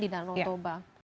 di dalam rontoba